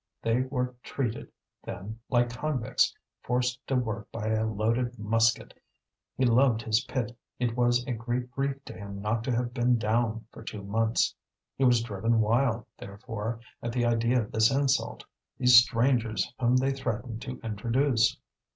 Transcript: They were treated, then, like convicts, forced to work by a loaded musket! He loved his pit, it was a great grief to him not to have been down for two months. He was driven wild, therefore, at the idea of this insult, these strangers whom they threatened to introduce.